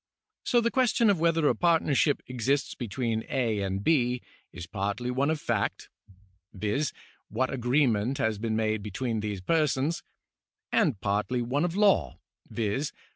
So the question whether a partnership exists between A. and B. is partly one of fact (viz., what agreement has been made between these persons), and partly one of law (viz.